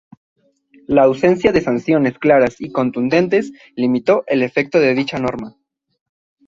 La ausencia de sanciones claras y contundentes limitó el efecto de dicha norma.